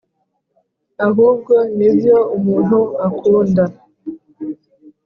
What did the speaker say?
ahubwo nibyo umuntu akunda